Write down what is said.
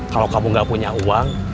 kalau kamu gak punya uang